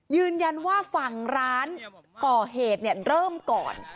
ยืนยันว่าฝั่งร้านก่อเหตุเริ่มก่อน